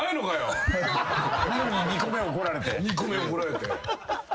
なのに２個目怒られて。